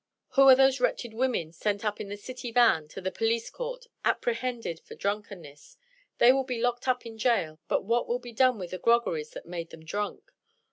Who are those wretched women sent up in the city van to the police court, apprehended for drunkenness? They will be locked up in jail; but what will be done with the groggeries that made them drunk?